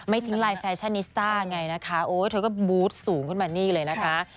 ทิ้งไลน์แฟชั่นนิสต้าไงนะคะโอ้เธอก็บูธสูงขึ้นมานี่เลยนะคะ